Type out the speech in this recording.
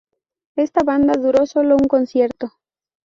Esta banda duró solo un concierto.